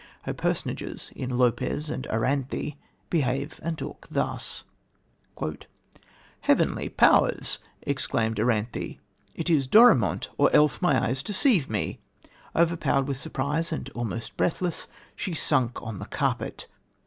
Her personages, in Lopez and Aranthe, behave and talk thus: "Heavenly powers!" exclaimed Aranthe, "it is Dorimont, or else my eyes deceive me!" Overpowered with surprise and almost breathless, she sunk on the carpet.